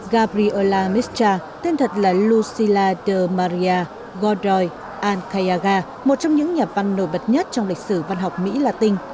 gabriela mischa tên thật là lucila de maria godoy ancayaga một trong những nhà văn nổi bật nhất trong lịch sử văn học mỹ latin